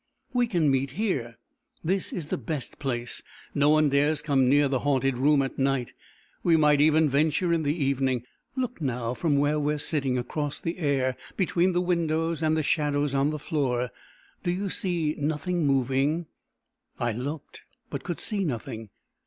"We can meet here. This is the best place. No one dares come near the haunted room at night. We might even venture in the evening. Look, now, from where we are sitting, across the air, between the windows and the shadows on the floor. Do you see nothing moving?" I looked, but could see nothing.